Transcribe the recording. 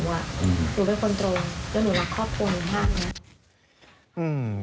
หนูเป็นคนตรงแล้วหนูรักครอบครัวหนูมากนะ